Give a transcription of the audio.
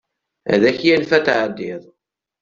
Ad ak-yanef ad tɛeddiḍ.